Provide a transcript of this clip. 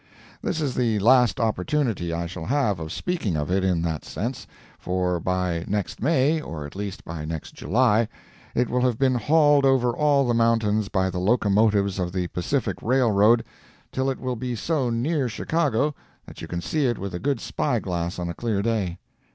This is the last opportunity I shall have of speaking of it in that sense, for by next May, or at least by next July, it will have been hauled over all the mountains by the locomotives of the Pacific railroad, till it will be so near Chicago that you can see it with a good spy glass on a clear day.